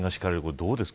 どうですか。